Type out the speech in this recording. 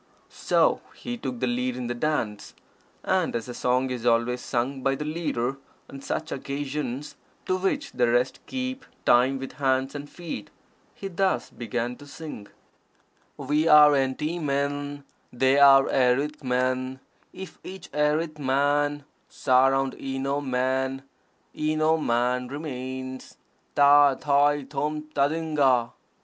So he took the lead in the dance, and, as a song is always sung by the leader on such occasions, to which the rest keep time with hands and feet, he thus began to sing: "We are enty men, They are erith men: If each erith man, Surround eno men Eno man remains. _Tâ, tai, tôm, tadingana.